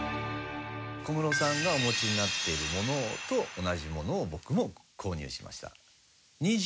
小室さんがお持ちになっているものと同じものを僕も購入しました。